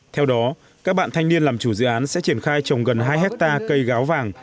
theo đó các bạn thanh niên làm chủ dự án sẽ triển khai trồng gần hai hectare cây gáo vàng